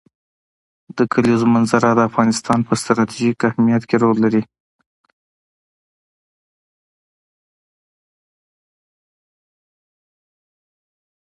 د کلیزو منظره د افغانستان په ستراتیژیک اهمیت کې رول لري.